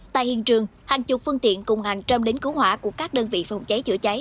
tại hiện trường hàng chục phương tiện cùng hàng trăm đến cứu hỏa của các đơn vị phòng cháy chữa cháy